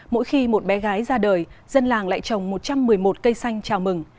mỗi khi một bé gái ra đời dân làng lại trồng một trăm một mươi một cây xanh chào mừng